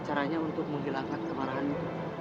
bagaimana caranya untuk menghilangkan kemarahanmu